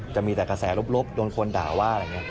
จะมีแต่กระแสรบโดนคนด่าว่า